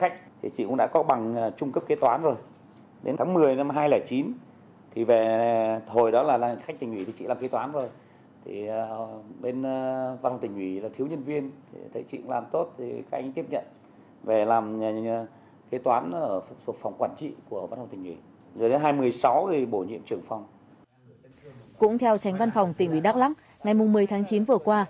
cũng theo tránh văn phòng tỉnh ủy đắk lắk ngày một mươi tháng chín vừa qua